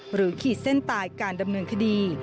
ขีดเส้นตายการดำเนินคดี